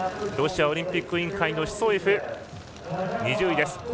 ロシアオリンピック委員会のシソエフ、２０位です。